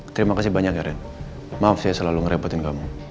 terima kasih banyak ren maaf saya selalu ngerebutin kamu